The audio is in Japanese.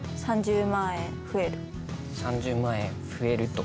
３０万円増えると。